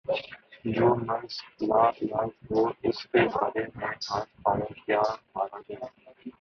جو مرض لا علاج ہو اس کے بارے میں ہاتھ پاؤں کیا مارا جائے۔